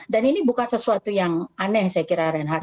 dan ini bukan sesuatu yang aneh saya kira renhak